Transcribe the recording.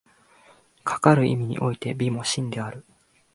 かかる意味において美も真である。